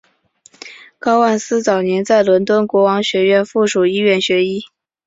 高万斯早年在伦敦国王学院附属医院学医。